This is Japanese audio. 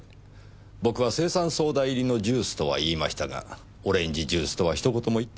僕は青酸ソーダ入りのジュースとは言いましたがオレンジジュースとはひと言も言っていませんよ。